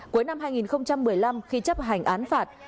cuối năm hai nghìn một mươi năm khi chấp hành án phạt